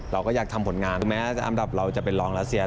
เราก็อยากทำผลงานแม้แต่อันดับเราจะเป็นรองรัสเซีย